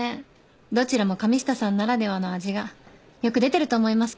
どちらも神下さんならではの味がよく出てると思いますけど。